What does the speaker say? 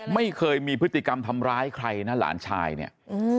ไม่เคยมีพฤติกรรมทำร้ายใครนะหลานชายเนี่ย